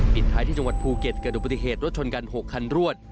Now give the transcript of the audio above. ท้ายที่จังหวัดภูเก็ตเกิดอุบัติเหตุรถชนกัน๖คันรวด